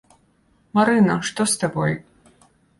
Марына, што з табой?